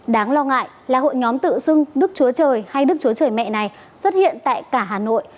đáng lo ngại là hội nhóm tự xưng nước chúa trời hay đức chúa trời mẹ này xuất hiện tại cả hà nội